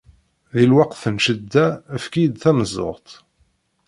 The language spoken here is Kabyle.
Di lweqt n ccedda, efk-iyi-d tameẓẓuɣt!